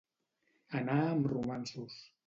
Anar amb romanços.